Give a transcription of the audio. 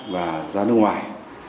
và ra nước ngoài